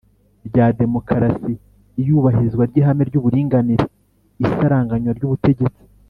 Rya demokarasi iyubahirizwa ry ihame ry uburinganire isaranganywa ry ubutegetsi